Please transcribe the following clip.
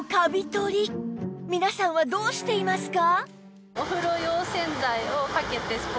皆さんはどうしていますか？